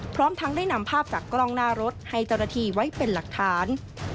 พร้อมทั้งได้นำภาพจากกล้องหน้ารถให้เจ้าหน้าที่ไว้เป็นหลักฐาน